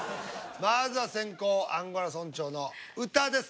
まずは先攻アンゴラ村長の歌です